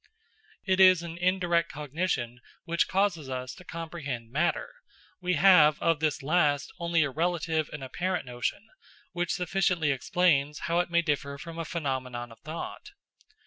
It is an indirect cognition which causes us to comprehend matter; we have of this last only a relative and apparent notion, which sufficiently explains how it may differ from a phenomenon of thought.